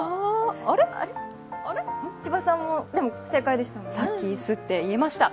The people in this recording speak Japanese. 千葉さんも、正解でした。